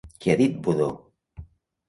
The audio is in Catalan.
Què ha dit Budó?